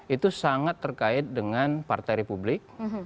itu sangat terkait dengan partai republik